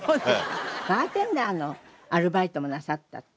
バーテンダーのアルバイトもなさったって。